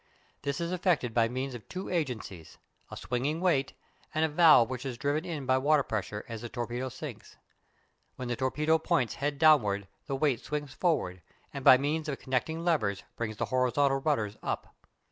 This is effected by means of two agencies, a swinging weight, and a valve which is driven in by water pressure as the torpedo sinks. When the torpedo points head downwards the weight swings forward, and by means of connecting levers brings the horizontal rudders up.